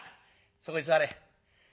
そこに座れ。